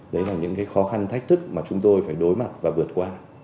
đấy là những khó khăn thách thức mà chúng tôi phải đối mặt và vượt qua